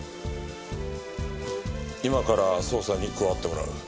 今から捜査に加わってもらう。